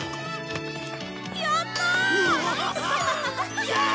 やったー！